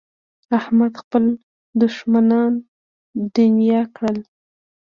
احمد خپل دوښمنان دڼيا کړل.